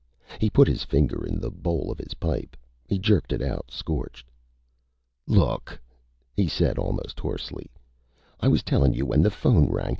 He put his finger in the bowl of his pipe. He jerked it out, scorched. "Look!" he said almost hoarsely, "I was tellin' you when the phone rang!